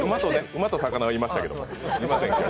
馬と魚はいましたけど。